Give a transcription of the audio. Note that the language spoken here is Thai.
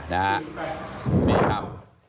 นี่ครับ